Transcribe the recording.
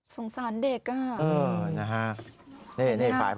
สงสารเด็กน่ะ